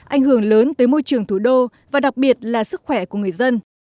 ảnh hưởng lớn tới môi trường thủ đô và đặc biệt là sức khỏe của người dân